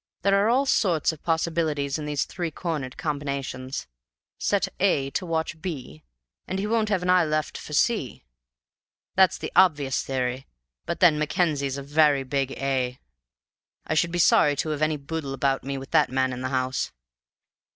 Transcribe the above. There are all sorts of possibilities in these three cornered combinations. Set A to watch B, and he won't have an eye left for C. That's the obvious theory, but then Mackenzie's a very big A. I should be sorry to have any boodle about me with that man in the house.